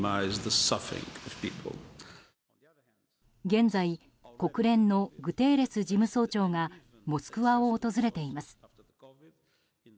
現在、国連のグテーレス事務総長がモスクワを訪れています。